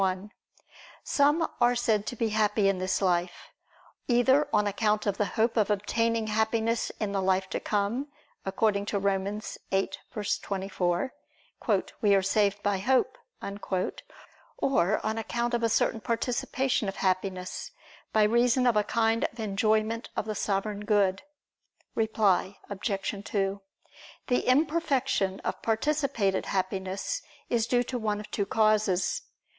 1: Some are said to be happy in this life, either on account of the hope of obtaining Happiness in the life to come, according to Rom. 8:24: "We are saved by hope"; or on account of a certain participation of Happiness, by reason of a kind of enjoyment of the Sovereign Good. Reply Obj. 2: The imperfection of participated Happiness is due to one of two causes.